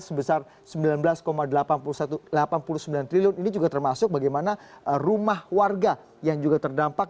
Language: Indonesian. sebesar rp sembilan belas delapan puluh sembilan triliun ini juga termasuk bagaimana rumah warga yang juga terdampak